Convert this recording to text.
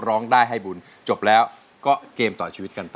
ร้องได้ให้บุญจบแล้วก็เกมต่อชีวิตกันไป